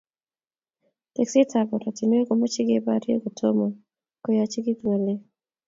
Teksetab oratinwek komochei keborie kotomo koyachikitu ngalek